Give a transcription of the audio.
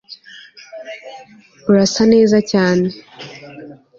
Urasa neza cyane